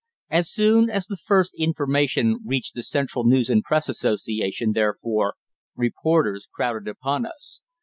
As soon as the first information reached the Central News and Press Association, therefore, reporters crowded upon us.